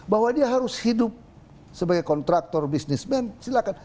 bahwa dia harus hidup sebagai kontraktor bisnismen silakan